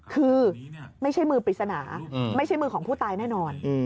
คือไม่ใช่มือปริศนาไม่ใช่มือของผู้ตายแน่นอน